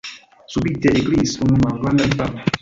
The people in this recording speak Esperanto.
subite ekkriis unu malgranda infano.